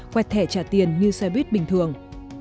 quẹt thẻ trả tiền như xe buýt bình thường